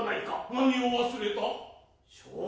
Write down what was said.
何を忘れた？